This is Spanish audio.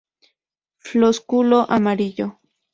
Flósculo amarillo.